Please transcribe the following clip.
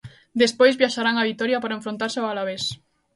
Despois viaxarán a Vitoria para enfrontarse ao Alavés.